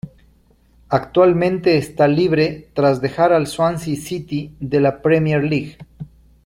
Actualmente está libre tras dejar el Swansea City de la Premier League.